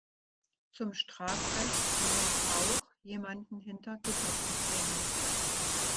Zum Strafrecht gehört auch, jemanden hinter Gitter zu bringen.